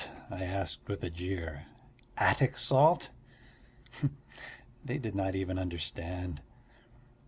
I asked with a jeer. "Attic salt?" They did not even understand.